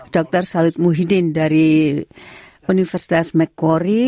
dr salud muhyiddin dari universitas macquarie